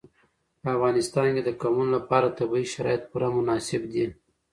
په افغانستان کې د قومونه لپاره طبیعي شرایط پوره مناسب دي.